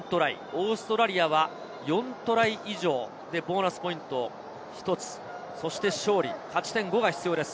オーストラリアが４トライ以上でボーナスポイントを１つ、そして勝利、勝ち点５が必要です。